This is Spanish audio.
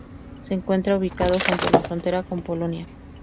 Se encuentra ubicado junto a la frontera con Polonia.